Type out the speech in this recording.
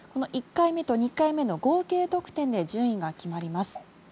１回目と２回目の合計得点で順位が決まります。